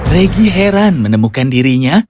regi heran menemukan dirinya